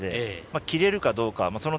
切れるかどうかですね。